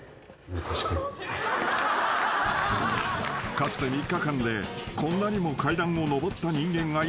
［かつて３日間でこんなにも階段を上った人間がいただろうか？］